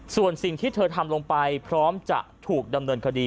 ส่วนสิ่งที่เธอทำลงไปพร้อมจะถูกดำเนินคดี